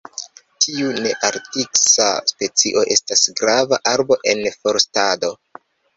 Tiu nearktisa specio estas grava arbo en forstado.